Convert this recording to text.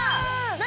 何？